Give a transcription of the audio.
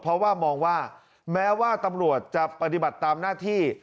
เพราะว่ามองว่าแม้ว่าตำรวจจะปฏิบัติตามหน้าที่